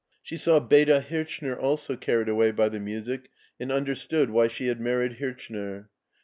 She saw Beda Hirchner also carried away by the music and understood why she had married Hirchner.